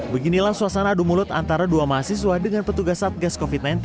beginilah suasana adu mulut antara dua mahasiswa dengan petugas satgas covid sembilan belas